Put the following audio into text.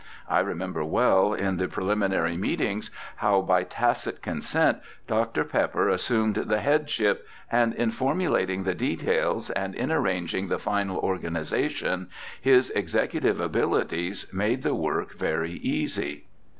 I remember well in the preliminary meetings how by tacit consent Dr. Pepper assumed the headship, and in formulating the details and in arranging the final organi zation his executive abilities made the work very easy.